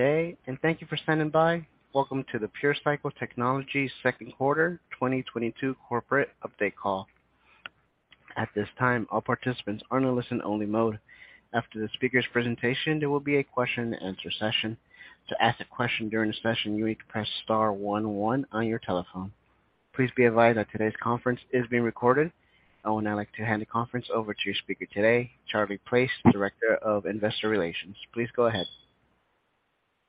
Day, and thank you for standing by. Welcome to the PureCycle Technologies second quarter 2022 corporate update call. At this time, all participants are in a listen-only mode. After the speaker's presentation, there will be a question and answer session. To ask a question during the session, you need to press star one one on your telephone. Please be advised that today's conference is being recorded. I would now like to hand the conference over to your speaker today, Charlie Place, Director of Investor Relations. Please go ahead.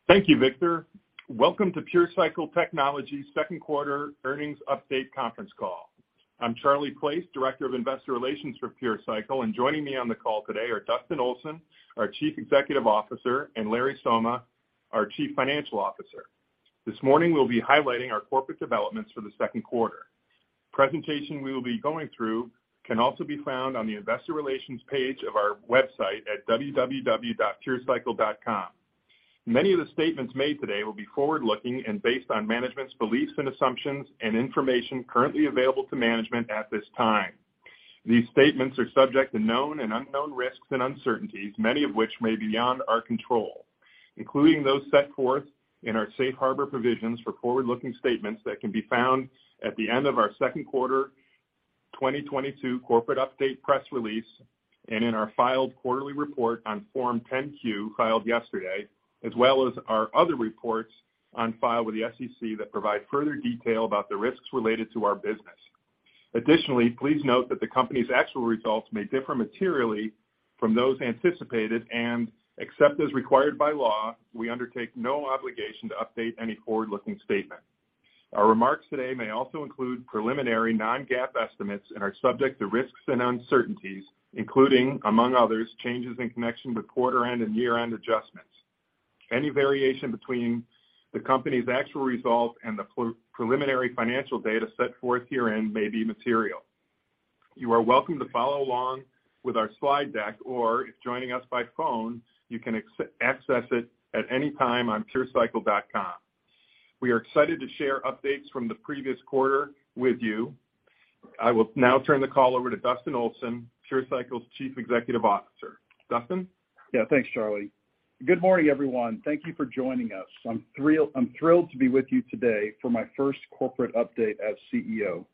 Thank you, Victor. Welcome to PureCycle Technologies second quarter earnings update conference call. I'm Charlie Place, Director of Investor Relations for PureCycle, and joining me on the call today are Dustin Olson, our Chief Executive Officer, and Larry Somma, our Chief Financial Officer. This morning we'll be highlighting our corporate developments for the second quarter. The presentation we will be going through can also be found on the investor relations page of our website at www.purecycle.com. Many of the statements made today will be forward-looking and based on management's beliefs and assumptions and information currently available to management at this time. These statements are subject to known and unknown risks and uncertainties, many of which may be beyond our control, including those set forth in our safe harbor provisions for forward-looking statements that can be found at the end of our second quarter 2022 corporate update press release and in our filed quarterly report on Form 10-Q filed yesterday, as well as our other reports on file with the SEC that provide further detail about the risks related to our business. Additionally, please note that the company's actual results may differ materially from those anticipated, and except as required by law, we undertake no obligation to update any forward-looking statement. Our remarks today may also include preliminary non-GAAP estimates and are subject to risks and uncertainties, including, among others, changes in connection with quarter end and year-end adjustments. Any variation between the company's actual results and the preliminary financial data set forth herein may be material. You are welcome to follow along with our slide deck, or if joining us by phone, you can access it at any time on PureCycle.com. We are excited to share updates from the previous quarter with you. I will now turn the call over to Dustin Olson, PureCycle's Chief Executive Officer. Dustin? Yeah. Thanks, Charlie. Good morning, everyone. Thank you for joining us. I'm thrilled to be with you today for my first corporate update as CEO.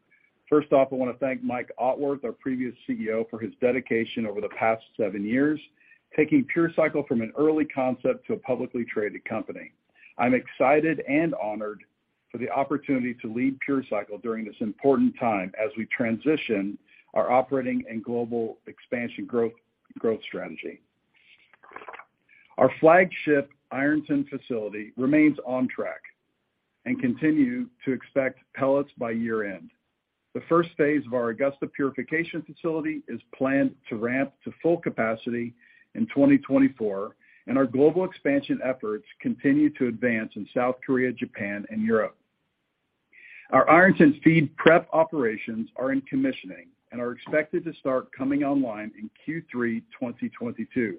First off, I want to thank Mike Otworth, our previous CEO, for his dedication over the past seven years, taking PureCycle from an early concept to a publicly traded company. I'm excited and honored for the opportunity to lead PureCycle during this important time as we transition our operating and global expansion growth strategy. Our flagship Ironton facility remains on track and continue to expect pellets by year-end. The first phase of our Augusta purification facility is planned to ramp to full capacity in 2024, and our global expansion efforts continue to advance in South Korea, Japan, and Europe. Our Ironton feedstock prep operations are in commissioning and are expected to start coming online in Q3 2022,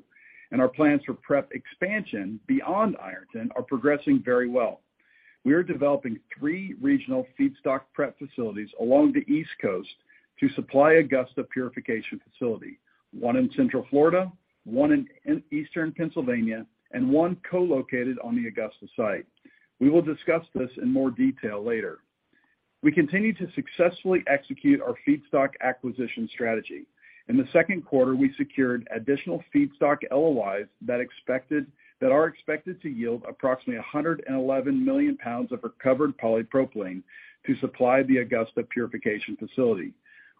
and our plans for feedstock prep expansion beyond Ironton are progressing very well. We are developing three regional feedstock prep facilities along the East Coast to supply Augusta purification facility, one in Central Florida, one in Eastern Pennsylvania, and one co-located on the Augusta site. We will discuss this in more detail later. We continue to successfully execute our feedstock acquisition strategy. In the second quarter, we secured additional feedstock LOIs that are expected to yield approximately 111 million pounds of recovered polypropylene to supply the Augusta purification facility,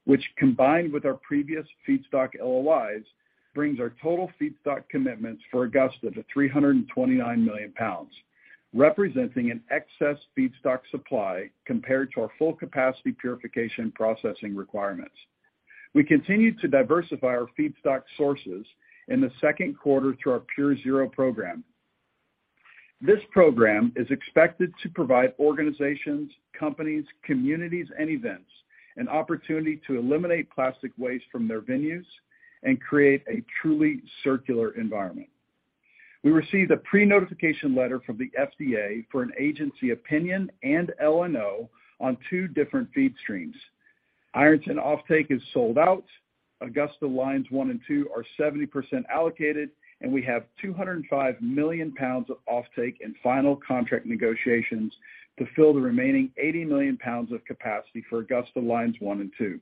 which combined with our previous feedstock LOIs, brings our total feedstock commitments for Augusta to 329 million pounds, representing an excess feedstock supply compared to our full capacity purification processing requirements. We continue to diversify our feedstock sources in the second quarter through our PureZero program. This program is expected to provide organizations, companies, communities, and events an opportunity to eliminate plastic waste from their venues and create a truly circular environment. We received a pre-notification letter from the FDA for an agency opinion and LNO on two different feed streams. Ironton offtake is sold out. Augusta lines one and two are 70% allocated, and we have 205 million pounds of offtake in final contract negotiations to fill the remaining 80 million pounds of capacity for Augusta lines one and two.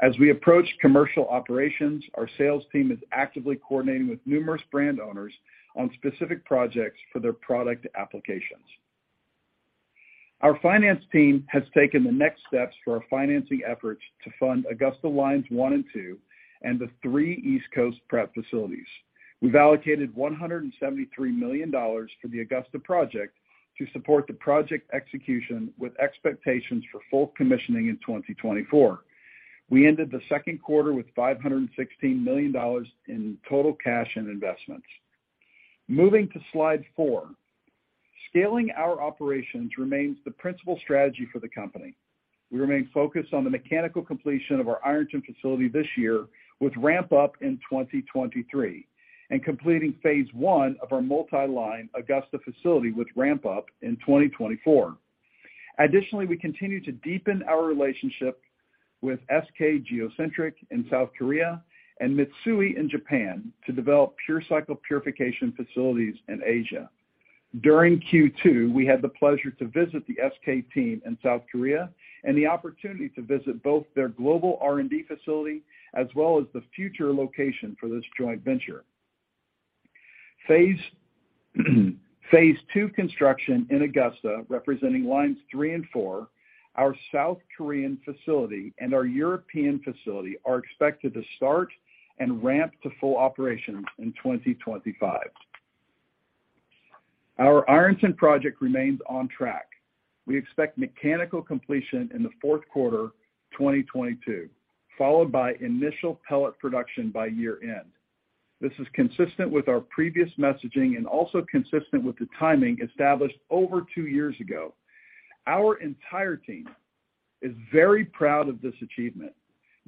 As we approach commercial operations, our sales team is actively coordinating with numerous brand owners on specific projects for their product applications. Our finance team has taken the next steps for our financing efforts to fund Augusta lines one and two and the three East Coast prep facilities. We've allocated $173 million for the Augusta project to support the project execution with expectations for full commissioning in 2024. We ended the second quarter with $516 million in total cash and investments. Moving to slide 4. Scaling our operations remains the principal strategy for the company. We remain focused on the mechanical completion of our Ironton facility this year with ramp up in 2023 and completing phase I of our multi-line Augusta facility with ramp up in 2024. Additionally, we continue to deepen our relationship with SK Geo Centric in South Korea and Mitsui in Japan to develop PureCycle purification facilities in Asia. During Q2, we had the pleasure to visit the SK team in South Korea and the opportunity to visit both their global R&D facility as well as the future location for this joint venture. Phase II construction in Augusta, representing lines three and four, our South Korean facility and our European facility are expected to start and ramp to full operations in 2025. Our Ironton project remains on track. We expect mechanical completion in the fourth quarter 2022, followed by initial pellet production by year-end. This is consistent with our previous messaging and also consistent with the timing established over two years ago. Our entire team is very proud of this achievement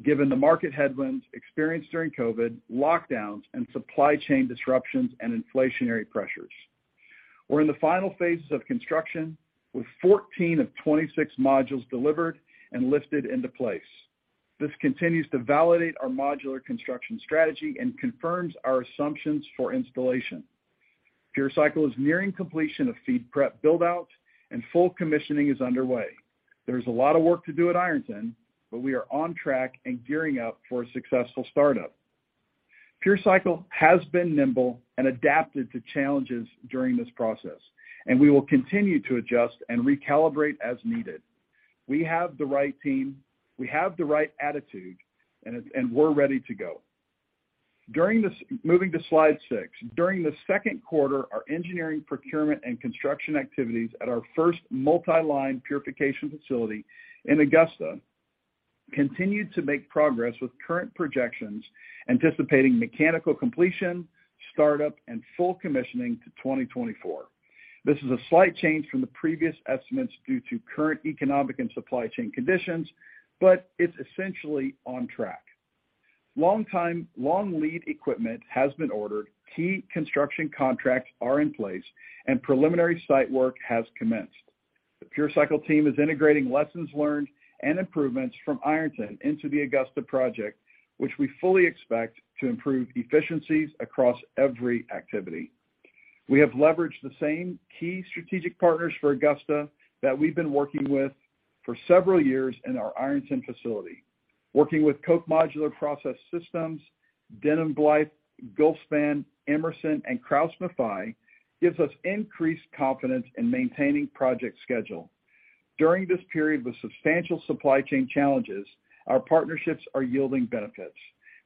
given the market headwinds experienced during COVID, lockdowns and supply chain disruptions and inflationary pressures. We're in the final phases of construction with 14 of 26 modules delivered and lifted into place. This continues to validate our modular construction strategy and confirms our assumptions for installation. PureCycle is nearing completion of feed prep build-out and full commissioning is underway. There's a lot of work to do at Ironton, but we are on track and gearing up for a successful startup. PureCycle has been nimble and adapted to challenges during this process, and we will continue to adjust and recalibrate as needed. We have the right team, we have the right attitude, and we're ready to go. During the second quarter, our engineering, procurement, and construction activities at our first multi-line purification facility in Augusta continued to make progress with current projections anticipating mechanical completion, startup, and full commissioning to 2024. This is a slight change from the previous estimates due to current economic and supply chain conditions, but it's essentially on track. Long lead equipment has been ordered, key construction contracts are in place, and preliminary site work has commenced. The PureCycle team is integrating lessons learned and improvements from Ironton into the Augusta project, which we fully expect to improve efficiencies across every activity. We have leveraged the same key strategic partners for Augusta that we've been working with for several years in our Ironton facility. Working with Koch Modular Process Systems, Denham-Blythe, Gulfspan, Emerson, and KraussMaffei gives us increased confidence in maintaining project schedule. During this period with substantial supply chain challenges, our partnerships are yielding benefits.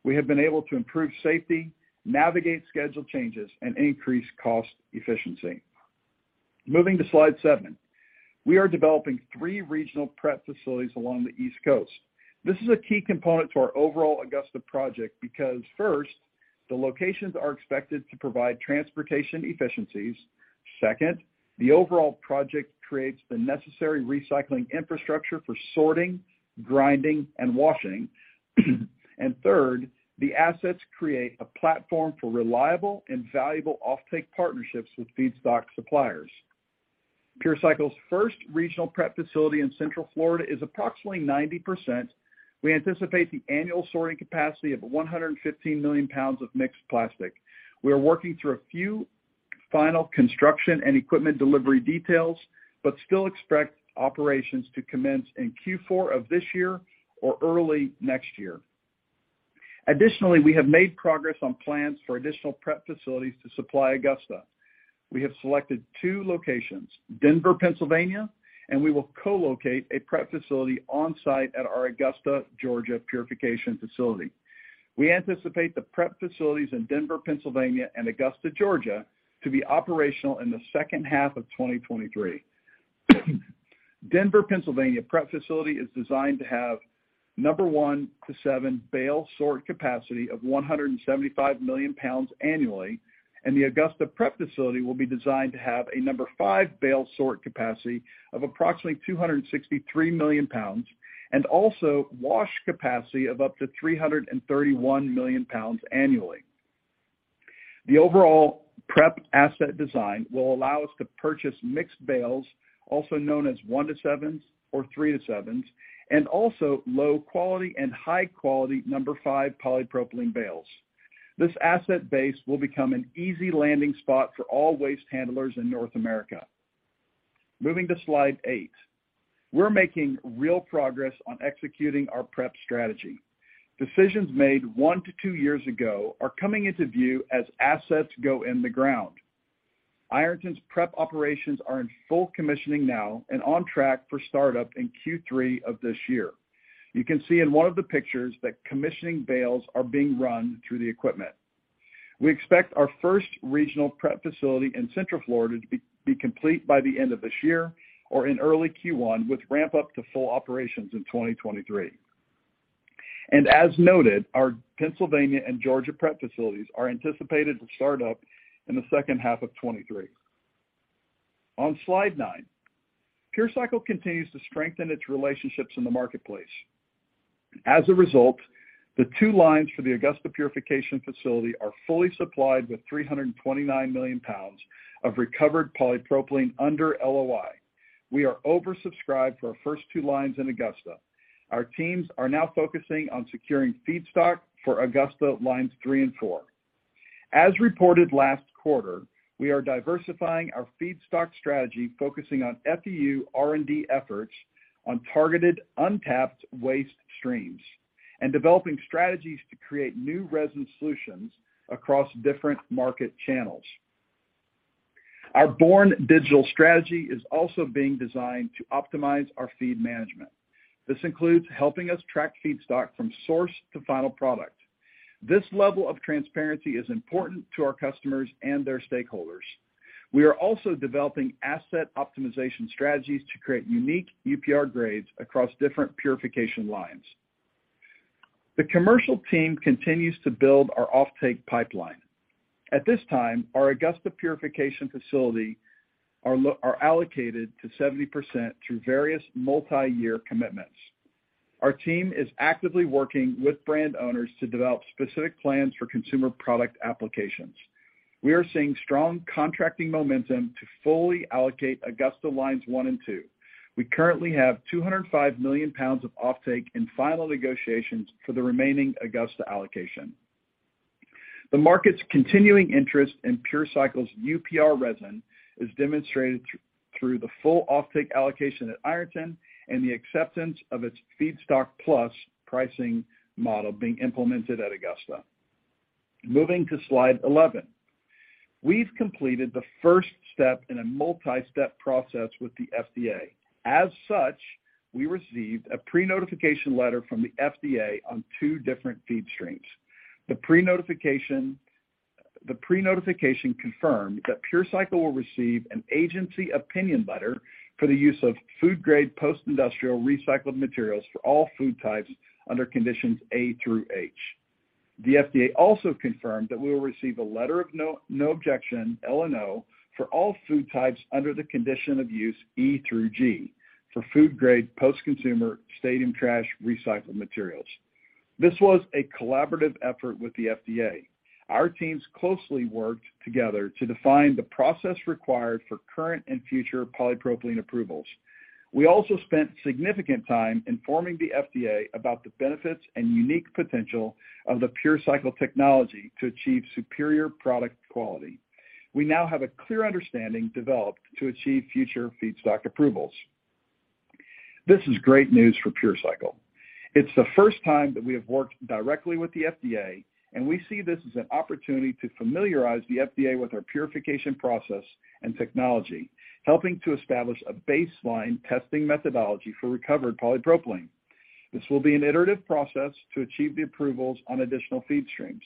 We have been able to improve safety, navigate schedule changes, and increase cost efficiency. Moving to slide 7. We are developing three regional prep facilities along the East Coast. This is a key component to our overall Augusta project because first, the locations are expected to provide transportation efficiencies. Second, the overall project creates the necessary recycling infrastructure for sorting, grinding, and washing. Third, the assets create a platform for reliable and valuable offtake partnerships with feedstock suppliers. PureCycle's first regional prep facility in Central Florida is approximately 90%. We anticipate the annual sorting capacity of 115 million pounds of mixed plastic. We are working through a few final construction and equipment delivery details but still expect operations to commence in Q4 of this year or early next year. Additionally, we have made progress on plans for additional prep facilities to supply Augusta. We have selected two locations, Denver, Pennsylvania, and we will co-locate a prep facility on-site at our Augusta, Georgia purification facility. We anticipate the prep facilities in Denver, Pennsylvania, and Augusta, Georgia to be operational in the second half of 2023. Denver, Pennsylvania prep facility is designed to have number one to seven bale sort capacity of 175 million pounds annually, and the Augusta prep facility will be designed to have a number five bale sort capacity of approximately 263 million pounds and also wash capacity of up to 331 million pounds annually. The overall prep asset design will allow us to purchase mixed bales, also known as one to sevens or three to sevens, and also low quality and high quality number five polypropylene bales. This asset base will become an easy landing spot for all waste handlers in North America. Moving to slide 8. We're making real progress on executing our prep strategy. Decisions made one to two years ago are coming into view as assets go in the ground. Ironton's prep operations are in full commissioning now and on track for startup in Q3 of this year. You can see in one of the pictures that commissioning bales are being run through the equipment. We expect our first regional prep facility in Central Florida to be complete by the end of this year or in early Q1, with ramp-up to full operations in 2023. As noted, our Pennsylvania and Georgia prep facilities are anticipated to start up in the second half of 2023. On slide nine. PureCycle continues to strengthen its relationships in the marketplace. As a result, the two lines for the Augusta purification facility are fully supplied with 329 million pounds of recovered polypropylene under LOI. We are oversubscribed for our first two lines in Augusta. Our teams are now focusing on securing feedstock for Augusta lines three and four. As reported last quarter, we are diversifying our feedstock strategy, focusing on FEU R&D efforts on targeted untapped waste streams and developing strategies to create new resin solutions across different market channels. Our born digital strategy is also being designed to optimize our feed management. This includes helping us track feedstock from source to final product. This level of transparency is important to our customers and their stakeholders. We are also developing asset optimization strategies to create unique UPR grades across different purification lines. The commercial team continues to build our offtake pipeline. At this time, our Augusta purification facility is allocated to 70% through various multi-year commitments. Our team is actively working with brand owners to develop specific plans for consumer product applications. We are seeing strong contracting momentum to fully allocate Augusta lines one and two. We currently have 205 million pounds of offtake in final negotiations for the remaining Augusta allocation. The market's continuing interest in PureCycle's UPR resin is demonstrated through the full offtake allocation at Ironton and the acceptance of its feedstock plus pricing model being implemented at Augusta. Moving to slide 11. We've completed the first step in a multi-step process with the FDA. As such, we received a pre-notification letter from the FDA on two different feed streams. The pre-notification confirmed that PureCycle will receive an agency opinion letter for the use of food-grade post-industrial recycled materials for all food types under conditions A through H. The FDA also confirmed that we will receive a letter of no objection, LNO, for all food types under the condition of use E through G for food grade post-consumer stadium trash recycled materials. This was a collaborative effort with the FDA. Our teams closely worked together to define the process required for current and future polypropylene approvals. We also spent significant time informing the FDA about the benefits and unique potential of the PureCycle technology to achieve superior product quality. We now have a clear understanding developed to achieve future feedstock approvals. This is great news for PureCycle. It's the first time that we have worked directly with the FDA, and we see this as an opportunity to familiarize the FDA with our purification process and technology, helping to establish a baseline testing methodology for recovered polypropylene. This will be an iterative process to achieve the approvals on additional feed streams.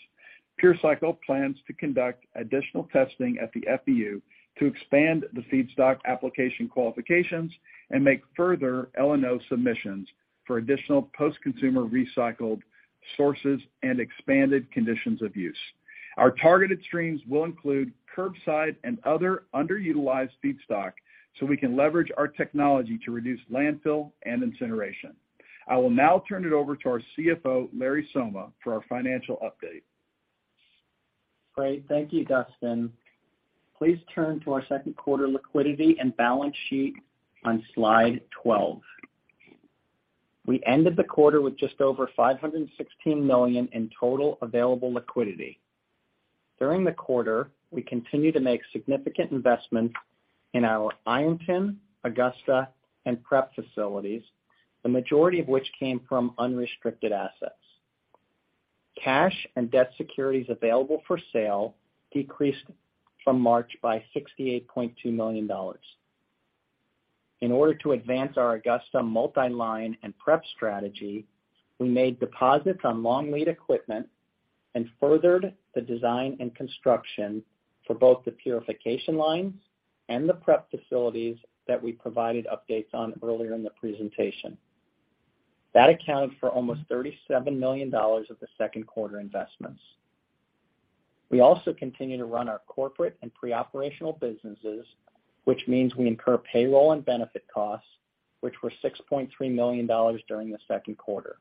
PureCycle plans to conduct additional testing at the FEU to expand the feedstock application qualifications and make further LNO submissions for additional post-consumer recycled sources and expanded conditions of use. Our targeted streams will include curbside and other underutilized feedstock, so we can leverage our technology to reduce landfill and incineration. I will now turn it over to our CFO, Larry Somma, for our financial update. Great. Thank you, Dustin. Please turn to our second quarter liquidity and balance sheet on slide 12. We ended the quarter with just over $516 million in total available liquidity. During the quarter, we continued to make significant investments in our Ironton, Augusta, and prep facilities, the majority of which came from unrestricted assets. Cash and debt securities available for sale decreased from March by $68.2 million. In order to advance our Augusta multi-line and prep strategy, we made deposits on long lead equipment and furthered the design and construction for both the purification lines and the prep facilities that we provided updates on earlier in the presentation. That accounted for almost $37 million of the second quarter investments. We also continue to run our corporate and pre-operational businesses, which means we incur payroll and benefit costs, which were $6.3 million during the second quarter.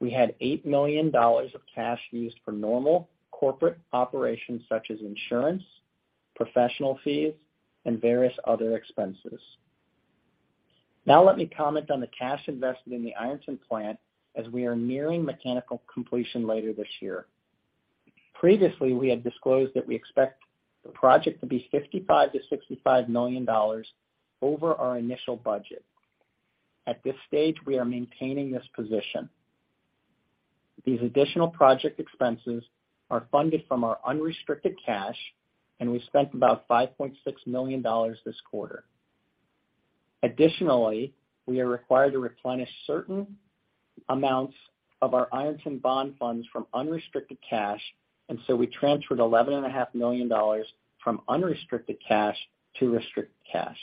We had $8 million of cash used for normal corporate operations such as insurance, professional fees, and various other expenses. Now let me comment on the cash invested in the Ironton plant as we are nearing mechanical completion later this year. Previously, we had disclosed that we expect the project to be $55 million-$65 million over our initial budget. At this stage, we are maintaining this position. These additional project expenses are funded from our unrestricted cash, and we spent about $5.6 million this quarter. Additionally, we are required to replenish certain amounts of our Ironton bond funds from unrestricted cash, and so we transferred $11 and a half million from unrestricted cash to restricted cash.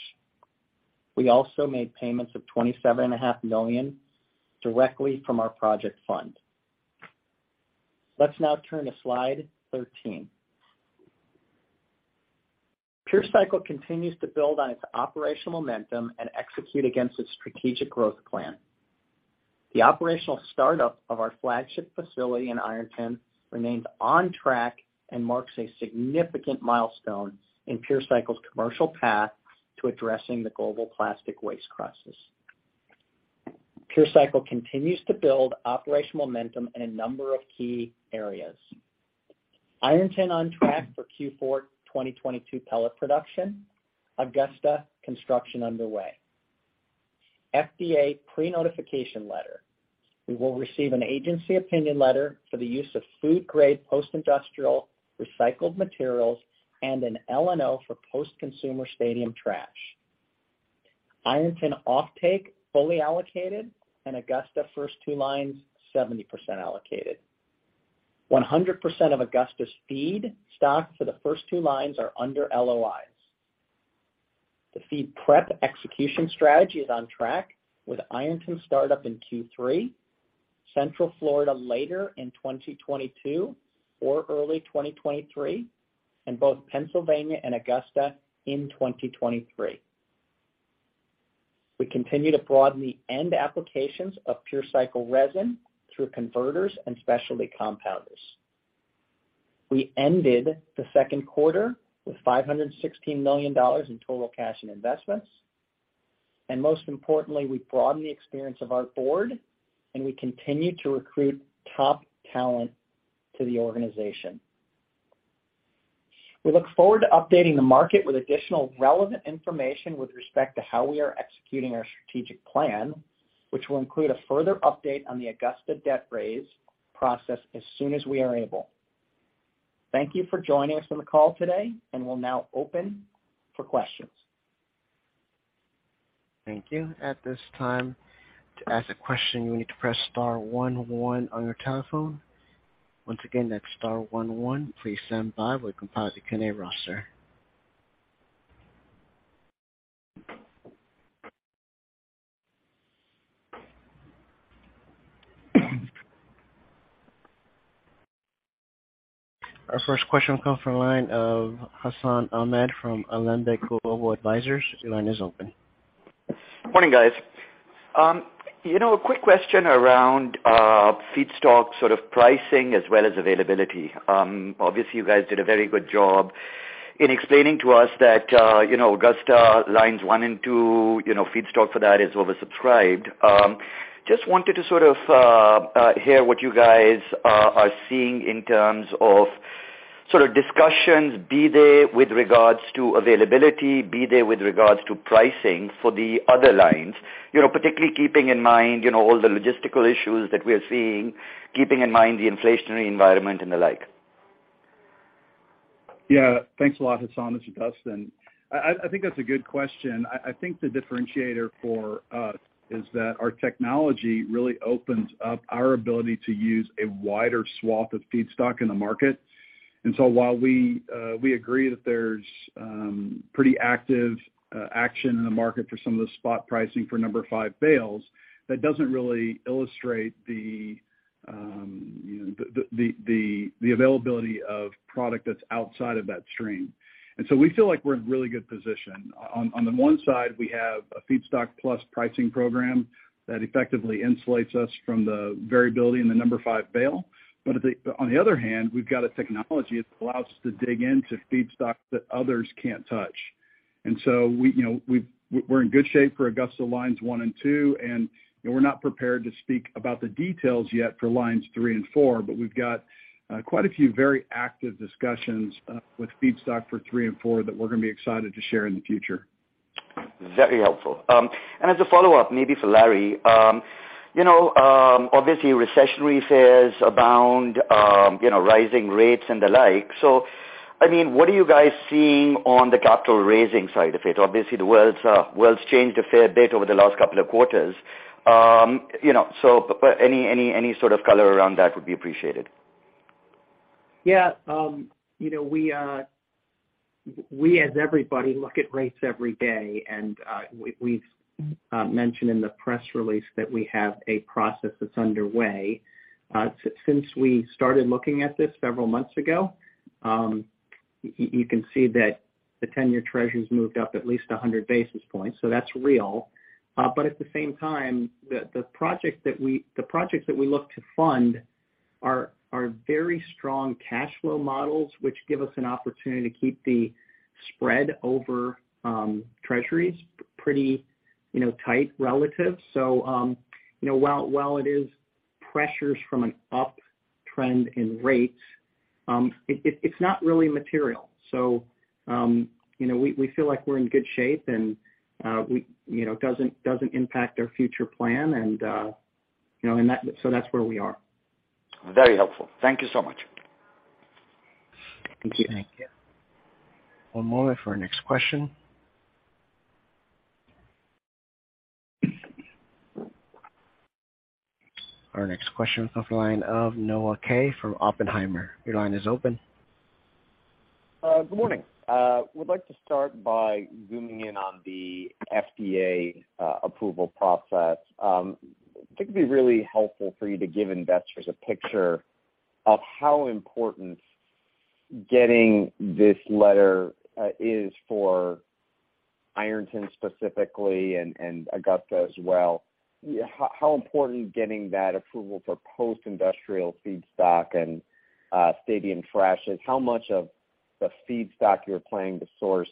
We also made payments of $27 and a half million directly from our project fund. Let's now turn to slide 13. PureCycle continues to build on its operational momentum and execute against its strategic growth plan. The operational startup of our flagship facility in Ironton remains on track and marks a significant milestone in PureCycle's commercial path to addressing the global plastic waste crisis. PureCycle continues to build operational momentum in a number of key areas. Ironton on track for Q4 2022 pellet production. Augusta construction underway. FDA pre-notification letter. We will receive an agency opinion letter for the use of food-grade post-industrial recycled materials and an LNO for post-consumer stadium trash. Ironton offtake fully allocated. Augusta first two lines 70% allocated. 100% of Augusta's feedstock for the first two lines are under LOIs. The feed prep execution strategy is on track with Ironton startup in Q3, Central Florida later in 2022 or early 2023, and both Pennsylvania and Augusta in 2023. We continue to broaden the end applications of PureCycle resin through converters and specialty compounders. We ended the second quarter with $516 million in total cash and investments. Most importantly, we broadened the experience of our board, and we continue to recruit top talent to the organization. We look forward to updating the market with additional relevant information with respect to how we are executing our strategic plan, which will include a further update on the Augusta debt raise process as soon as we are able. Thank you for joining us on the call today, and we'll now open for questions. Thank you. At this time, to ask a question, you need to press star one one on your telephone. Once again, that's star one one. Please stand by while we compile the Q&A roster. Our first question will come from the line of Hassan Ahmed from Alembic Global Advisors. Your line is open. Morning, guys. You know, a quick question around feedstock sort of pricing as well as availability. Obviously, you guys did a very good job in explaining to us that, you know, Augusta lines one and two, you know, feedstock for that is oversubscribed. Just wanted to sort of hear what you guys are seeing in terms of sort of discussions, be they with regards to availability, be they with regards to pricing for the other lines. You know, particularly keeping in mind, you know, all the logistical issues that we're seeing, keeping in mind the inflationary environment and the like. Yeah. Thanks a lot, Hassan. This is Dustin. I think that's a good question. I think the differentiator for us is that our technology really opens up our ability to use a wider swath of feedstock in the market. While we agree that there's pretty active action in the market for some of the spot pricing for number five bales, that doesn't really illustrate the availability of product that's outside of that stream. We feel like we're in really good position. On the one side, we have a feedstock plus pricing program that effectively insulates us from the variability in the number five bale. But on the other hand, we've got a technology that allows us to dig into feedstock that others can't touch. We, you know, we're in good shape for Augusta lines one and two, and, you know, we're not prepared to speak about the details yet for lines three and four, but we've got quite a few very active discussions with feedstock for three and four that we're gonna be excited to share in the future. Very helpful. As a follow-up, maybe for Larry, you know, obviously recessionary fears abound, you know, rising rates and the like. I mean, what are you guys seeing on the capital raising side of it? Obviously, the world's changed a fair bit over the last couple of quarters. You know, but any sort of color around that would be appreciated. Yeah. You know, we as everybody look at rates every day, and we've mentioned in the press release that we have a process that's underway. Since we started looking at this several months ago, you can see that the 10-year Treasury's moved up at least 100 basis points, so that's real. But at the same time, the projects that we look to fund are very strong cash flow models, which give us an opportunity to keep the spread over treasuries pretty, you know, tight relative. You know, while it is pressures from an up trend in rates, it's not really material. You know, we feel like we're in good shape and you know doesn't impact our future plan and you know and that's where we are. Very helpful. Thank you so much. Thank you. Thank you. One moment for our next question. Our next question is from the line of Noah Kaye from Oppenheimer. Your line is open. Good morning. Would like to start by zooming in on the FDA approval process. Think it'd be really helpful for you to give investors a picture of how important getting this letter is for Ironton specifically and Augusta as well, how important getting that approval for post-industrial feedstock and stadium trash is. How much of the feedstock you're planning to source,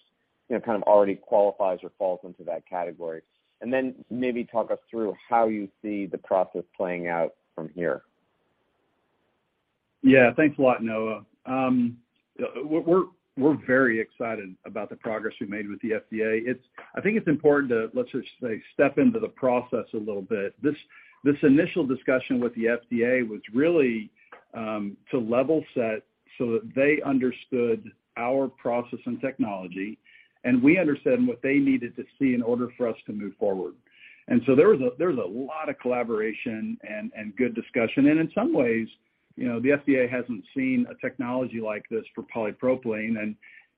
you know, kind of already qualifies or falls into that category. Then maybe talk us through how you see the process playing out from here. Yeah. Thanks a lot, Noah. We're very excited about the progress we made with the FDA. It's. I think it's important to, let's just say, step into the process a little bit. This initial discussion with the FDA was really to level set so that they understood our process and technology, and we understood what they needed to see in order for us to move forward. There was a lot of collaboration and good discussion. In some ways, you know, the FDA hasn't seen a technology like this for polypropylene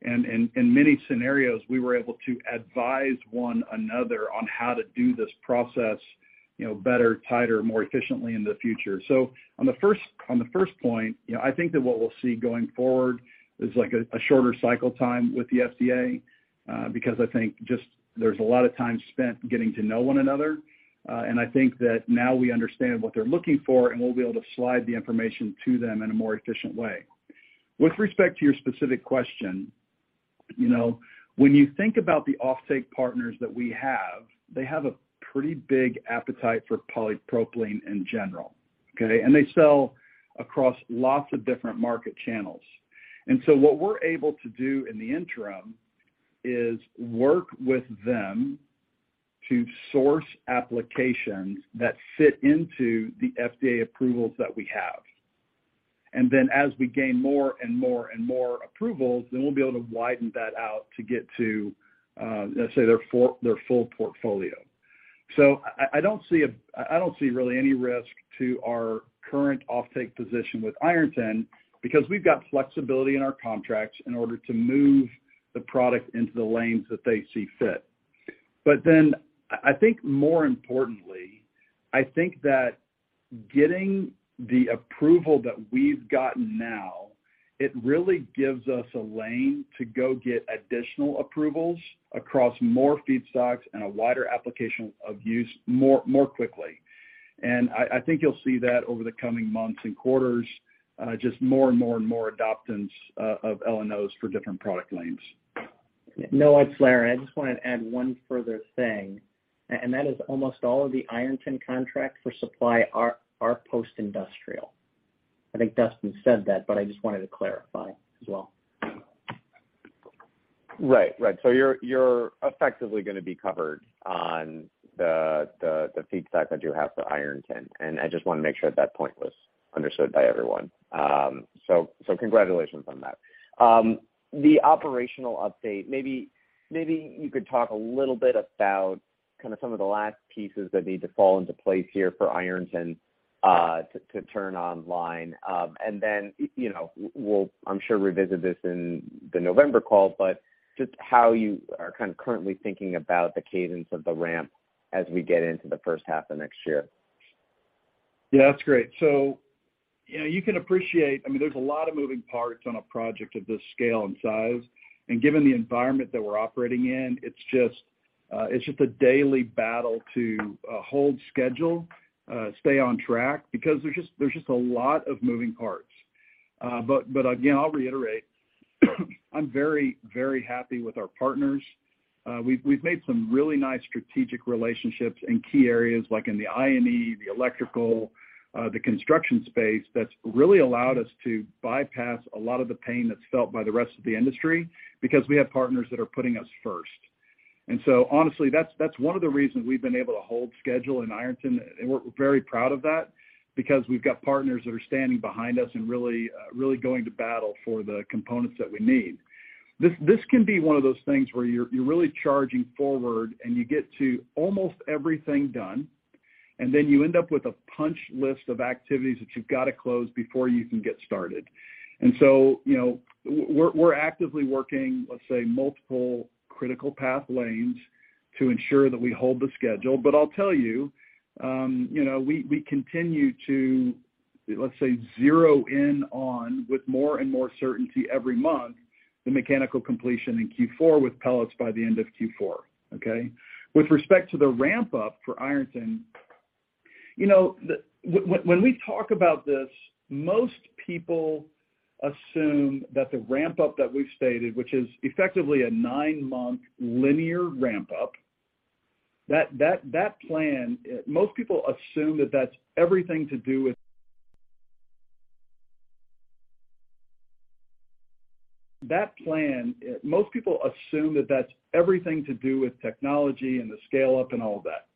and in many scenarios, we were able to advise one another on how to do this process, you know, better, tighter, more efficiently in the future. On the first point, you know, I think that what we'll see going forward is like a shorter cycle time with the FDA, because I think just there's a lot of time spent getting to know one another. I think that now we understand what they're looking for, and we'll be able to slide the information to them in a more efficient way. With respect to your specific question, you know, when you think about the offtake partners that we have, they have a pretty big appetite for polypropylene in general, okay? They sell across lots of different market channels. What we're able to do in the interim is work with them to source applications that fit into the FDA approvals that we have. As we gain more and more approvals, we'll be able to widen that out to get to, let's say, their full portfolio. I don't see really any risk to our current offtake position with Ironton because we've got flexibility in our contracts in order to move the product into the lanes that they see fit. I think more importantly, that getting the approval that we've gotten now, it really gives us a lane to go get additional approvals across more feedstocks and a wider application of use more quickly. I think you'll see that over the coming months and quarters, just more and more adoption of LNOs for different product lanes. Noah, it's Larry. I just wanted to add one further thing, and that is almost all of the Ironton contracts for supply are post-industrial. I think Dustin said that, but I just wanted to clarify as well. Right. You're effectively gonna be covered on the feedstock that you have for Ironton, and I just wanna make sure that point was understood by everyone. Congratulations on that. The operational update. Maybe you could talk a little bit about kind of some of the last pieces that need to fall into place here for Ironton to turn online. You know, we'll I'm sure revisit this in the November call, but just how you are kind of currently thinking about the cadence of the ramp as we get into the first half of next year. Yeah, that's great. You know, you can appreciate, I mean, there's a lot of moving parts on a project of this scale and size. Given the environment that we're operating in, it's just a daily battle to hold schedule, stay on track because there's just a lot of moving parts. Again, I'll reiterate, I'm very, very happy with our partners. We've made some really nice strategic relationships in key areas like in the I&E, the electrical, the construction space, that's really allowed us to bypass a lot of the pain that's felt by the rest of the industry because we have partners that are putting us first. Honestly, that's one of the reasons we've been able to hold schedule in Ironton, and we're very proud of that because we've got partners that are standing behind us and really going to battle for the components that we need. This can be one of those things where you're really charging forward and you get to almost everything done, and then you end up with a punch list of activities that you've got to close before you can get started. You know, we're actively working, let's say, multiple critical path lanes to ensure that we hold the schedule. But I'll tell you know, we continue to, let's say, zero in on with more and more certainty every month the mechanical completion in Q4 with pellets by the end of Q4, okay? With respect to the ramp up for Ironton, you know, when we talk about this, most people assume that the ramp up that we've stated, which is effectively a nine-month linear ramp up, that plan, most people assume that that's everything to do with technology and the scale up and all that.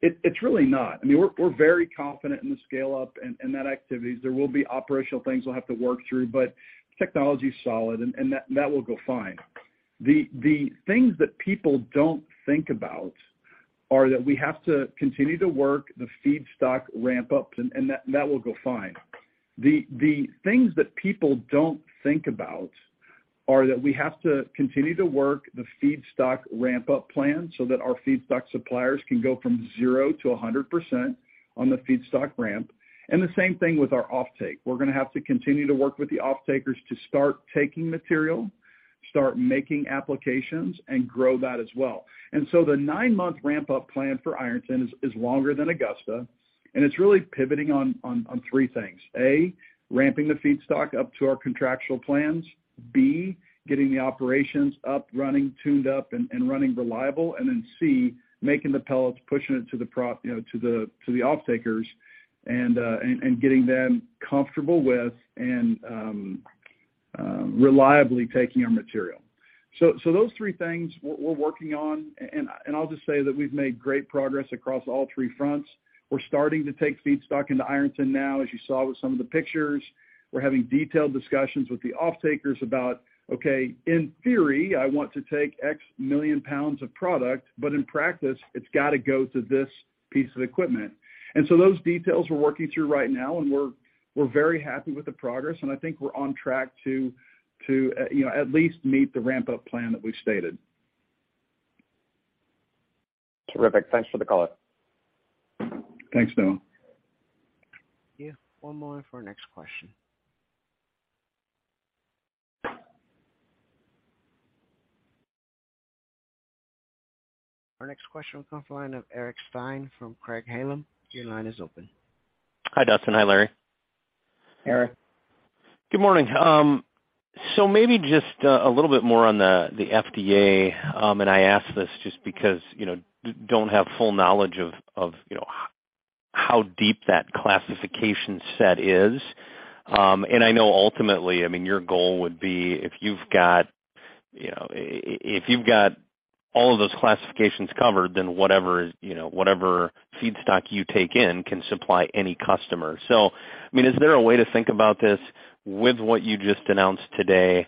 It's really not. I mean, we're very confident in the scale up and that activities. There will be operational things we'll have to work through, but technology's solid and that will go fine. The things that people don't think about are that we have to continue to work the feedstock ramp up, and that will go fine. The things that people don't think about are that we have to continue to work the feedstock ramp-up plan so that our feedstock suppliers can go from zero to 100% on the feedstock ramp. The same thing with our offtake. We're gonna have to continue to work with the offtakers to start taking material, start making applications, and grow that as well. The nine-month ramp-up plan for Ironton is longer than Augusta, and it's really pivoting on three things. A, ramping the feedstock up to our contractual plans. B, getting the operations up, running, tuned up, and running reliable. C, making the pellets, pushing it to the, you know, to the offtakers and getting them comfortable with and reliably taking our material. Those three things we're working on. I'll just say that we've made great progress across all three fronts. We're starting to take feedstock into Ironton now, as you saw with some of the pictures. We're having detailed discussions with the offtakers about, okay, in theory, I want to take X million pounds of product, but in practice, it's gotta go through this piece of equipment. Those details we're working through right now, and we're very happy with the progress, and I think we're on track to you know, at least meet the ramp-up plan that we've stated. Terrific. Thanks for the color. Thanks, Noah. Yeah. One moment for our next question. Our next question will come from the line of Eric Stine from Craig-Hallum. Your line is open. Hi, Dustin. Hi, Eric. Eric. Good morning. Maybe just a little bit more on the FDA. I ask this just because, you know, don't have full knowledge of, you know, how deep that classification set is. I know ultimately, I mean, your goal would be if you've got, you know, if you've got all of those classifications covered, then whatever, you know, whatever feedstock you take in can supply any customer. I mean, is there a way to think about this with what you just announced today?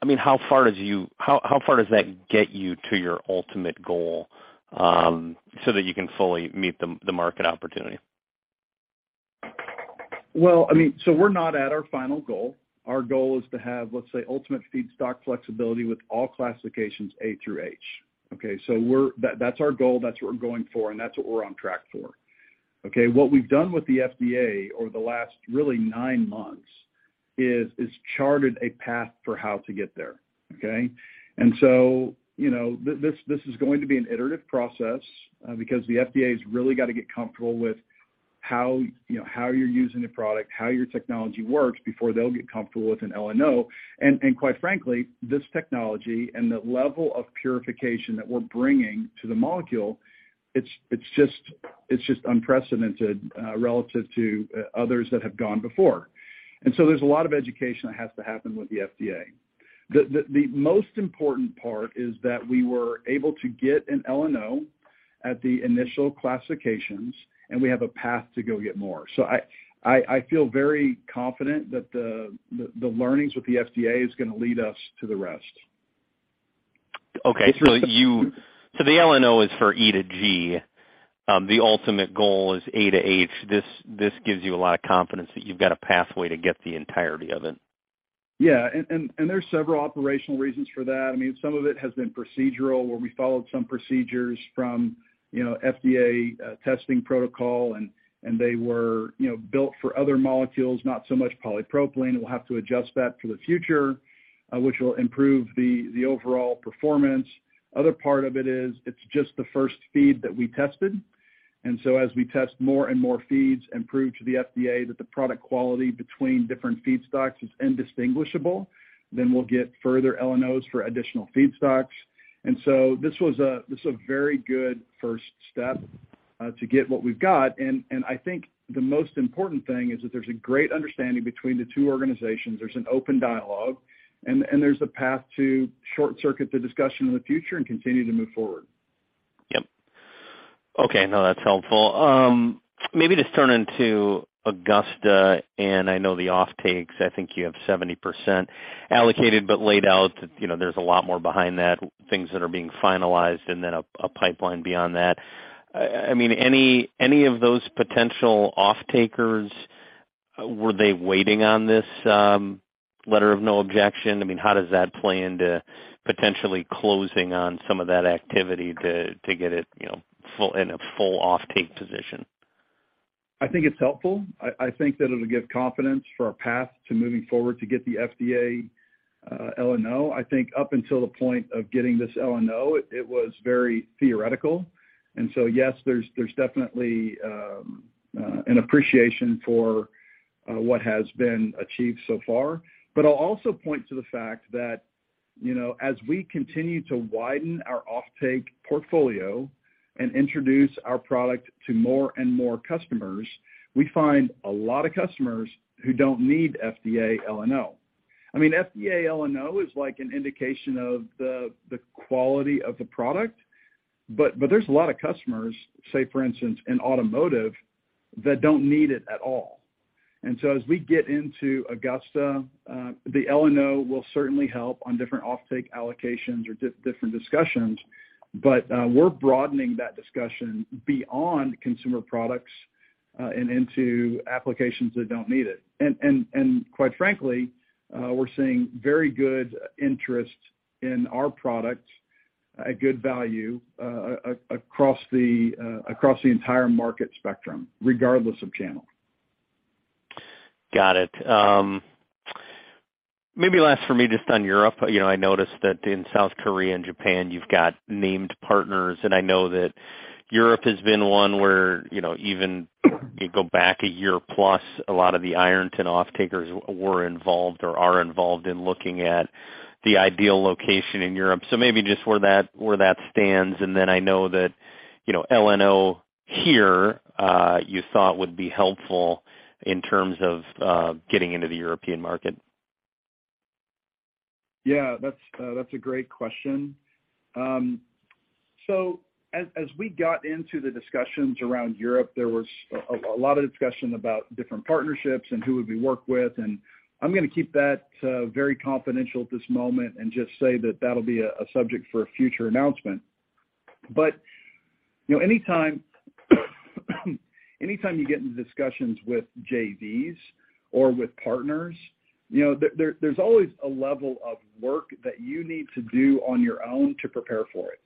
I mean, how far does that get you to your ultimate goal, so that you can fully meet the market opportunity? Well, I mean, we're not at our final goal. Our goal is to have, let's say, ultimate feedstock flexibility with all classifications A through H. Okay. That's our goal, that's what we're going for, and that's what we're on track for. Okay. What we've done with the FDA over the last really nine months is charted a path for how to get there. Okay. You know, this is going to be an iterative process, because the FDA's really gotta get comfortable with how, you know, how you're using the product, how your technology works before they'll get comfortable with an LNO. And quite frankly, this technology and the level of purification that we're bringing to the molecule, it's just unprecedented relative to others that have gone before. There's a lot of education that has to happen with the FDA. The most important part is that we were able to get an LNO at the initial classifications, and we have a path to go get more. I feel very confident that the learnings with the FDA is gonna lead us to the rest. Okay. The LNO is for E to G. The ultimate goal is A to H. This gives you a lot of confidence that you've got a pathway to get the entirety of it. Yeah. There's several operational reasons for that. I mean, some of it has been procedural, where we followed some procedures from, you know, FDA testing protocol, and they were, you know, built for other molecules, not so much polypropylene. We'll have to adjust that for the future, which will improve the overall performance. Other part of it is it's just the first feed that we tested. As we test more and more feeds and prove to the FDA that the product quality between different feedstocks is indistinguishable, then we'll get further LNOs for additional feedstocks. This is a very good first step to get what we've got. I think the most important thing is that there's a great understanding between the two organizations. There's an open dialogue and there's a path to short-circuit the discussion in the future and continue to move forward. Yep. Okay. No, that's helpful. Maybe just turning to Augusta, and I know the offtakes, I think you have 70% allocated but laid out, you know, there's a lot more behind that, things that are being finalized and then a pipeline beyond that. I mean, any of those potential offtakers, were they waiting on this letter of no objection? I mean, how does that play into potentially closing on some of that activity to get it, you know, in a full offtake position? I think it's helpful. I think that it'll give confidence for our path to moving forward to get the FDA LNO. I think up until the point of getting this LNO, it was very theoretical. Yes, there's definitely an appreciation for what has been achieved so far. But I'll also point to the fact that, you know, as we continue to widen our offtake portfolio and introduce our product to more and more customers, we find a lot of customers who don't need FDA LNO. I mean, FDA LNO is like an indication of the quality of the product, but there's a lot of customers, say for instance, in automotive, that don't need it at all. As we get into Augusta, the LNO will certainly help on different offtake allocations or different discussions, but we're broadening that discussion beyond consumer products and into applications that don't need it. Quite frankly, we're seeing very good interest in our products at good value across the entire market spectrum, regardless of channel. Got it. Maybe last for me just on Europe. You know, I noticed that in South Korea and Japan you've got named partners, and I know that Europe has been one where, you know, even you go back a year plus, a lot of the Ironton off-takers were involved or are involved in looking at the ideal location in Europe. Maybe just where that stands, and then I know that, you know, LNO here you thought would be helpful in terms of getting into the European market. Yeah, that's a great question. As we got into the discussions around Europe, there was a lot of discussion about different partnerships and who would we work with, and I'm gonna keep that very confidential at this moment and just say that that'll be a subject for a future announcement. You know, anytime you get into discussions with JVs or with partners, you know, there's always a level of work that you need to do on your own to prepare for it.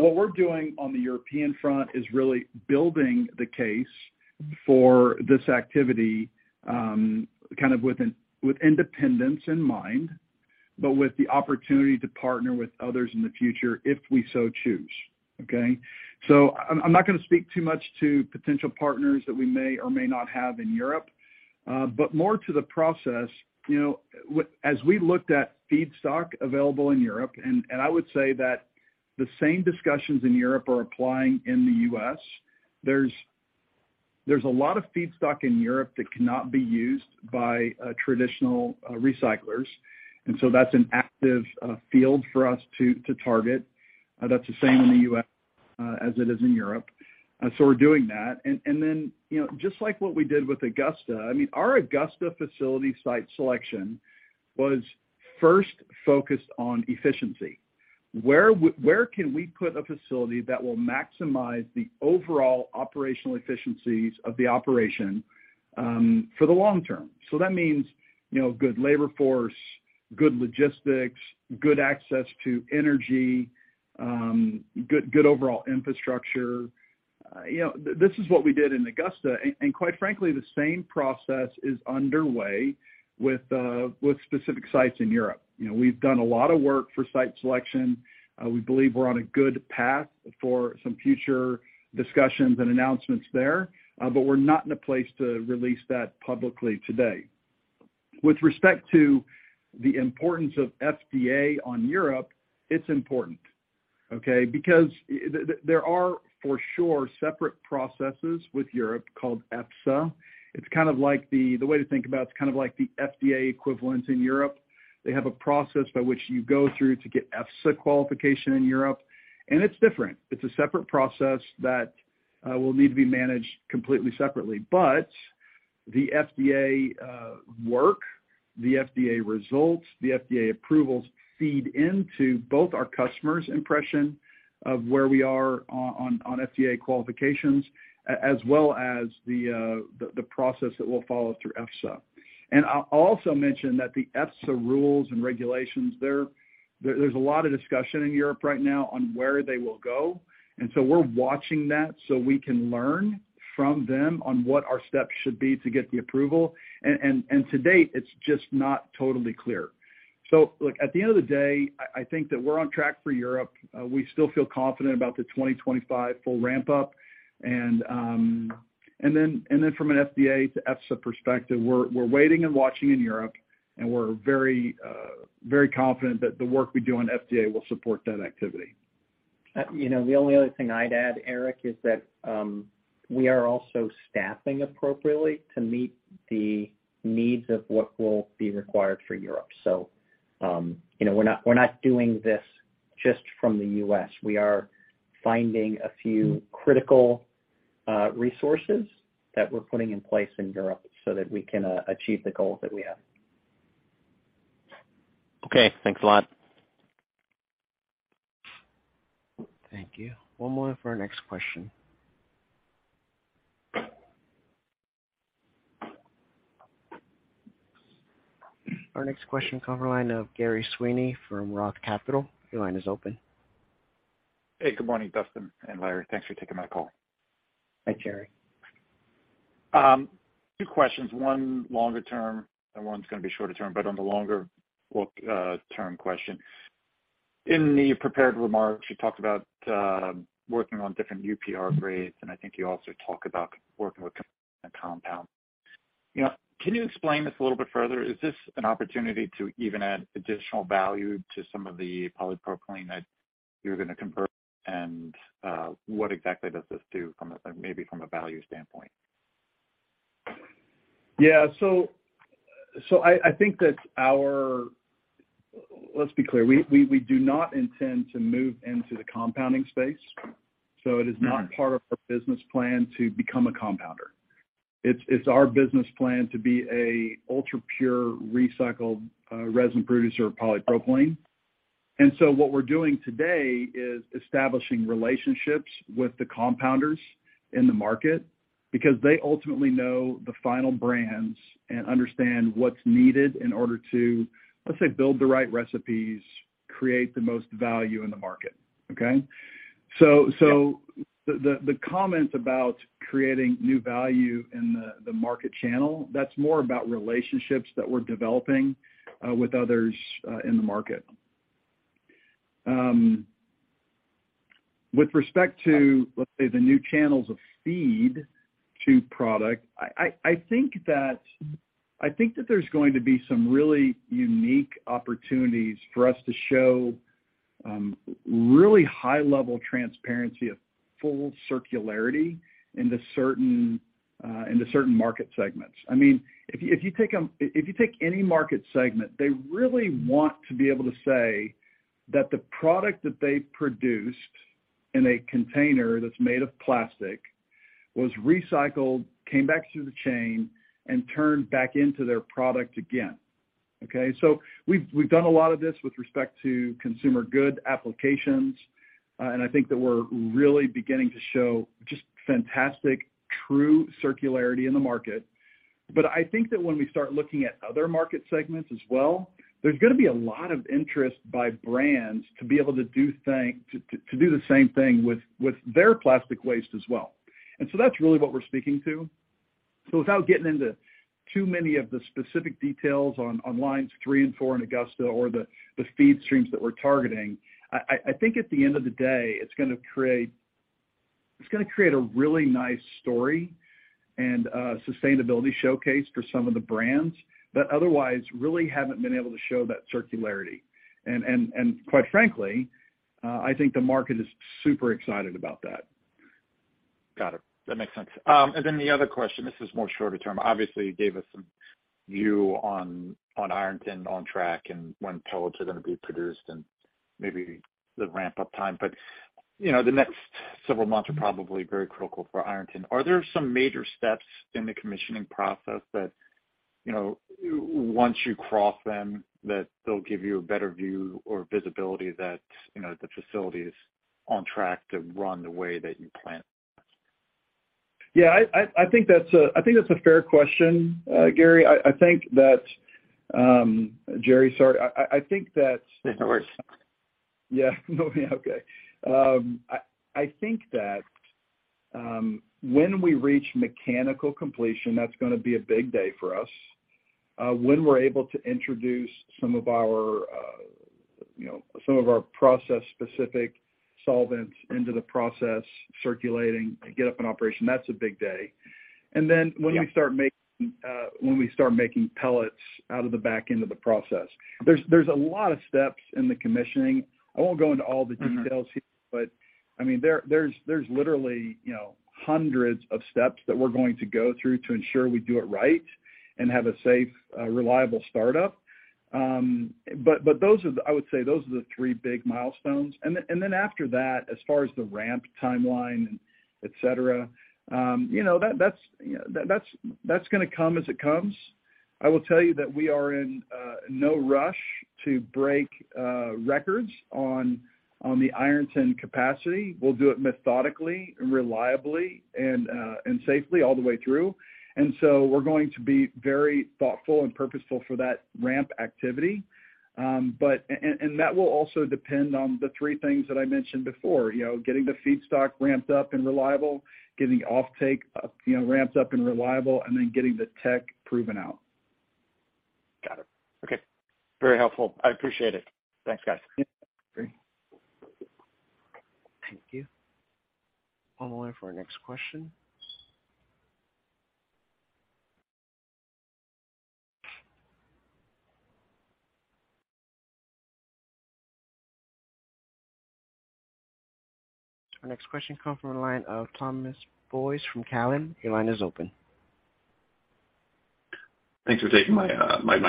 What we're doing on the European front is really building the case for this activity, kind of with independence in mind, but with the opportunity to partner with others in the future if we so choose, okay? I'm not gonna speak too much to potential partners that we may or may not have in Europe, but more to the process. As we looked at feedstock available in Europe, and I would say that the same discussions in Europe are applying in the U.S., there's a lot of feedstock in Europe that cannot be used by traditional recyclers. That's an active field for us to target. That's the same in the U.S. As it is in Europe. We're doing that. You know, just like what we did with Augusta, I mean, our Augusta facility site selection was first focused on efficiency. Where can we put a facility that will maximize the overall operational efficiencies of the operation for the long term? That means, you know, good labor force, good logistics, good access to energy, good overall infrastructure. You know, this is what we did in Augusta, and quite frankly, the same process is underway with specific sites in Europe. You know, we've done a lot of work for site selection. We believe we're on a good path for some future discussions and announcements there, but we're not in a place to release that publicly today. With respect to the importance of FDA in Europe, it's important, okay? Because there are for sure separate processes with Europe called EFSA. It's kind of like the way to think about it's kind of like the FDA equivalent in Europe. They have a process by which you go through to get EFSA qualification in Europe, and it's different. It's a separate process that will need to be managed completely separately. The FDA results, the FDA approvals feed into both our customers' impression of where we are on FDA qualifications as well as the process that we'll follow through EFSA. I'll also mention that the EFSA rules and regulations there. There's a lot of discussion in Europe right now on where they will go. We're watching that so we can learn from them on what our steps should be to get the approval. To date, it's just not totally clear. Look, at the end of the day, I think that we're on track for Europe. We still feel confident about the 2025 full ramp up. From an FDA to EFSA perspective, we're waiting and watching in Europe, and we're very confident that the work we do on FDA will support that activity. You know, the only other thing I'd add, Eric, is that we are also staffing appropriately to meet the needs of what will be required for Europe. You know, we're not doing this just from the U.S. We are finding a few critical resources that we're putting in place in Europe so that we can achieve the goals that we have. Okay. Thanks a lot. Thank you. One more for our next question. Our next question comes from the line of Gerard Sweeney from Roth Capital Partners. Your line is open. Hey, good morning, Dustin and Larry. Thanks for taking my call. Hi, Gerard. Two questions. One longer term and one's gonna be shorter term, but on the longer look, term question. In the prepared remarks, you talked about working on different UPR grades, and I think you also talk about working with a compound. You know, can you explain this a little bit further? Is this an opportunity to even add additional value to some of the polypropylene that you're gonna convert? And, what exactly does this do from a maybe from a value standpoint? Yeah. I think that our... Let's be clear. We do not intend to move into the compounding space. It is not part of our business plan to become a compounder. It's our business plan to be a ultrapure recycled resin producer of polypropylene. What we're doing today is establishing relationships with the compounders in the market because they ultimately know the final brands and understand what's needed in order to, let's say, build the right recipes, create the most value in the market. Okay? The comment about creating new value in the market channel, that's more about relationships that we're developing with others in the market. With respect to, let's say, the new channels of feed to product, I think that there's going to be some really unique opportunities for us to show really high-level transparency of full circularity into certain market segments. I mean, if you take any market segment, they really want to be able to say that the product that they produced in a container that's made of plastic was recycled, came back through the chain, and turned back into their product again. We've done a lot of this with respect to consumer goods applications, and I think that we're really beginning to show just fantastic, true circularity in the market. I think that when we start looking at other market segments as well, there's gonna be a lot of interest by brands to be able to do the same thing with their plastic waste as well. That's really what we're speaking to. Without getting into too many of the specific details on lines three and four in Augusta or the feed streams that we're targeting, I think at the end of the day, it's gonna create a really nice story and a sustainability showcase for some of the brands that otherwise really haven't been able to show that circularity. Quite frankly, I think the market is super excited about that. Got it. That makes sense. The other question, this is more short-term. Obviously, you gave us some view on Ironton on track and when pellets are gonna be produced and maybe the ramp-up time. You know, the next several months are probably very critical for Ironton. Are there some major steps in the commissioning process that, you know, once you cross them, that they'll give you a better view or visibility that, you know, the facility is on track to run the way that you plan? Yeah, I think that's a fair question, Gerard. I think that, Jerry, sorry. No worries. Yeah. No, yeah, okay. I think that when we reach mechanical completion, that's gonna be a big day for us. When we're able to introduce some of our process-specific solvents into the process circulating to get up in operation, that's a big day. Then when we start making. Yeah. When we start making pellets out of the back end of the process. There's a lot of steps in the commissioning. I won't go into all the details here. Mm-hmm. I mean, there's literally, you know, hundreds of steps that we're going to go through to ensure we do it right and have a safe, reliable startup. I would say those are the three big milestones. Then after that, as far as the ramp timeline, et cetera, you know, that's gonna come as it comes. I will tell you that we are in no rush to break records on the Ironton capacity. We'll do it methodically and reliably and safely all the way through. We're going to be very thoughtful and purposeful for that ramp activity. That will also depend on the three things that I mentioned before, you know, getting the feedstock ramped up and reliable, getting offtake, you know, ramped up and reliable, and then getting the tech proven out. Got it. Okay. Very helpful. I appreciate it. Thanks, guys. Yeah. Great. Thank you. On the line for our next question. Our next question comes from the line of Thomas Boyes from Cowen. Your line is open. Thanks for taking my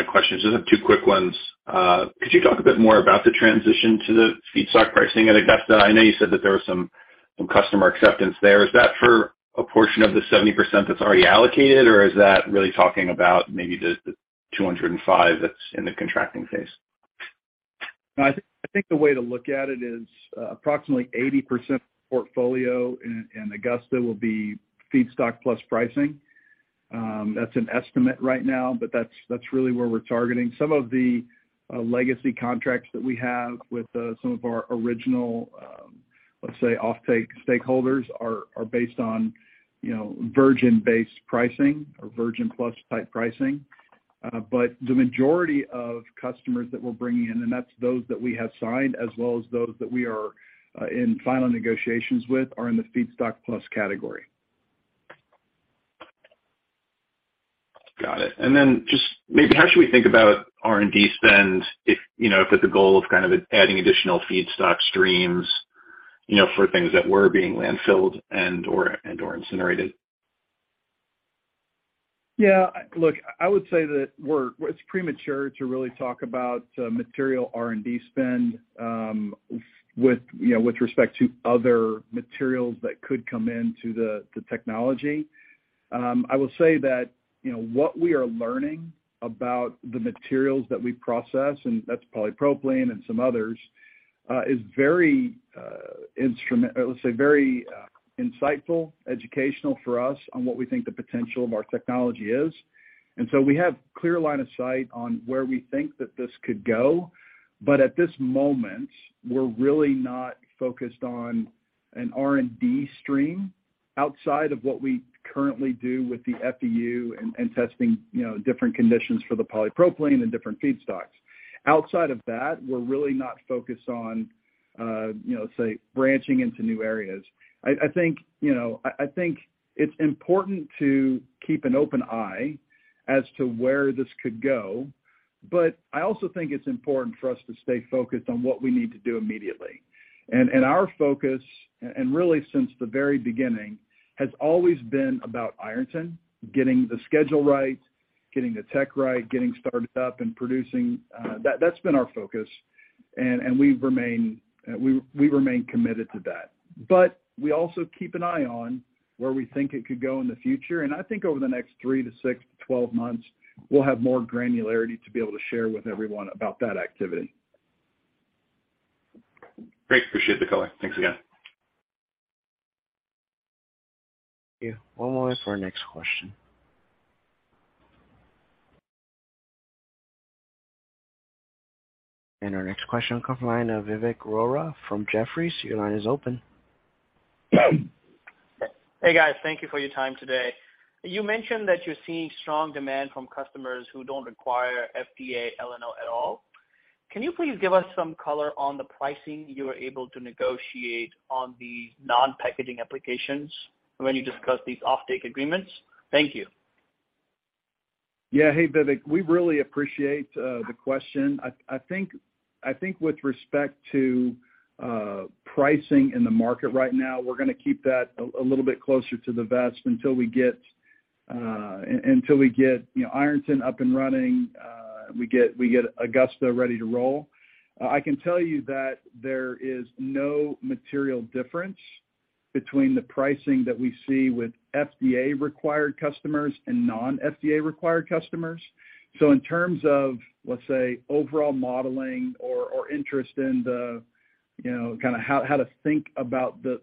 questions. Just have two quick ones. Could you talk a bit more about the transition to the feedstock pricing at Augusta? I know you said that there was some customer acceptance there. Is that for a portion of the 70% that's already allocated, or is that really talking about maybe the 205 that's in the contracting phase? I think the way to look at it is, approximately 80% portfolio in Augusta will be feedstock plus pricing. That's an estimate right now, but that's really where we're targeting. Some of the legacy contracts that we have with some of our original, let's say, offtake stakeholders are based on, you know, virgin-based pricing or virgin plus type pricing. But the majority of customers that we're bringing in, and that's those that we have signed as well as those that we are in final negotiations with, are in the feedstock plus category. Got it. Just maybe how should we think about R&D spend if, you know, if it's a goal of kind of adding additional feedstock streams, you know, for things that were being landfilled and/or incinerated? Yeah. Look, I would say that it's premature to really talk about material R&D spend, you know, with respect to other materials that could come into the technology. I will say that, you know, what we are learning about the materials that we process, and that's polypropylene and some others, is very, let's say very insightful, educational for us on what we think the potential of our technology is. We have clear line of sight on where we think that this could go. At this moment, we're really not focused on an R&D stream outside of what we currently do with the FEU and testing, you know, different conditions for the polypropylene and different feedstocks. Outside of that, we're really not focused on, you know, say branching into new areas. I think, you know, I think it's important to keep an open eye as to where this could go, but I also think it's important for us to stay focused on what we need to do immediately. Our focus, and really since the very beginning, has always been about Ironton, getting the schedule right, getting the tech right, getting started up and producing. That's been our focus. We remain committed to that. We also keep an eye on where we think it could go in the future. I think over the next 3-6-12 months, we'll have more granularity to be able to share with everyone about that activity. Great. Appreciate the color. Thanks again. One moment for our next question. Our next question comes from the line of Vivek Arora from Jefferies. Your line is open. Hey, guys. Thank you for your time today. You mentioned that you're seeing strong demand from customers who don't require FDA LNO at all. Can you please give us some color on the pricing you were able to negotiate on these non-packaging applications when you discuss these offtake agreements? Thank you. Yeah. Hey, Vivek. We really appreciate the question. I think with respect to pricing in the market right now, we're gonna keep that a little bit closer to the vest until we get, you know, Ironton up and running, we get Augusta ready to roll. I can tell you that there is no material difference between the pricing that we see with FDA-required customers and non-FDA-required customers. So in terms of, let's say, overall modeling or interest in the, you know, kinda how to think about the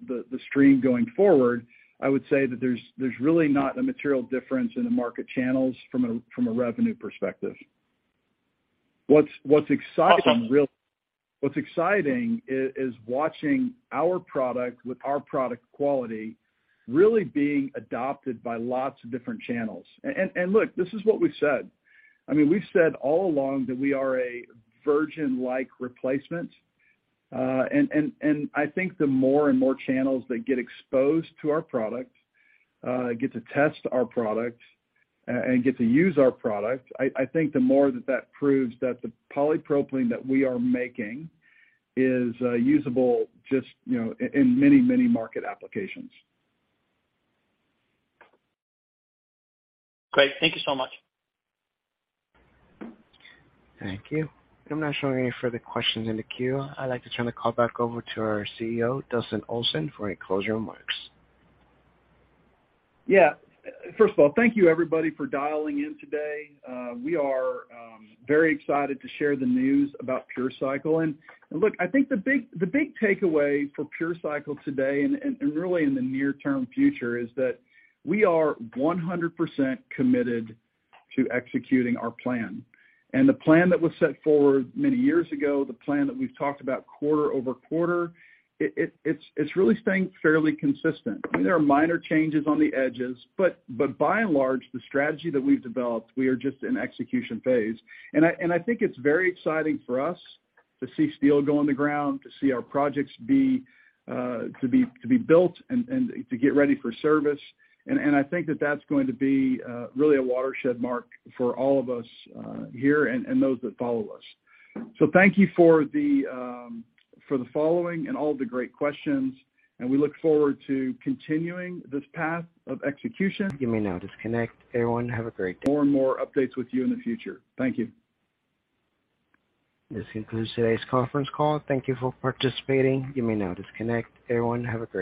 stream going forward, I would say that there's really not a material difference in the market channels from a revenue perspective. What's exciting really is watching our product with our product quality really being adopted by lots of different channels. Look, this is what we said. I mean, we've said all along that we are a virgin-like replacement. I think the more and more channels that get exposed to our product get to test our product and get to use our product. I think the more that proves that the polypropylene that we are making is usable just, you know, in many market applications. Great. Thank you so much. Thank you. I'm not showing any further questions in the queue. I'd like to turn the call back over to our CEO, Dustin Olson, for any closing remarks. Yeah. First of all, thank you everybody for dialing in today. We are very excited to share the news about PureCycle. Look, I think the big takeaway for PureCycle today and really in the near-term future is that we are 100% committed to executing our plan. The plan that was set forward many years ago, the plan that we've talked about quarter over quarter, it's really staying fairly consistent. I mean, there are minor changes on the edges, but by and large, the strategy that we've developed, we are just in execution phase. I think it's very exciting for us to see steel go in the ground, to see our projects be built and to get ready for service. I think that that's going to be really a watershed mark for all of us here and those that follow us. Thank you for the following and all the great questions, and we look forward to continuing this path of execution. You may now disconnect. Everyone, have a great day. More and more updates with you in the future. Thank you. This concludes today's conference call. Thank you for participating. You may now disconnect. Everyone, have a great day.